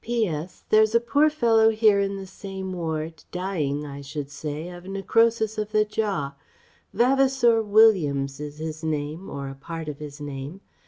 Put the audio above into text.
P.S. There's a poor fellow here in the same ward dying I should say of necrosis of the jaw Vavasour Williams is his name or a part of his name.